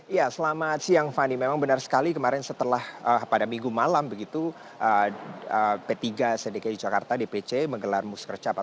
ya selamat siang fani memang benar sekali kemarin setelah pada minggu malam begitu p tiga sedekai jakarta dpc menggelar musker capas